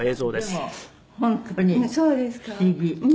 「でも本当に不思議」